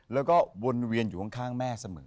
แล้วก็วนเวียนอยู่ข้างแม่เสมอ